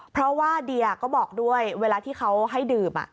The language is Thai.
เพราะว่าเดียก็บอกด้วยเวลาที่เขาให้ดื่ม